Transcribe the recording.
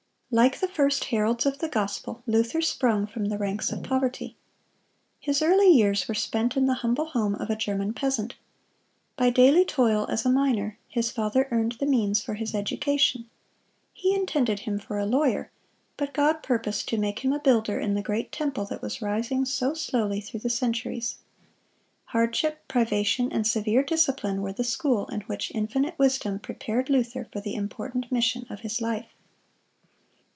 Like the first heralds of the gospel, Luther sprung from the ranks of poverty. His early years were spent in the humble home of a German peasant. By daily toil as a miner, his father earned the means for his education. He intended him for a lawyer; but God purposed to make him a builder in the great temple that was rising so slowly through the centuries. Hardship, privation, and severe discipline were the school in which Infinite Wisdom prepared Luther for the important mission of his life.